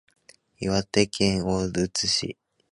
岩手県大槌町